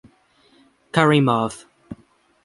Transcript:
Karimov.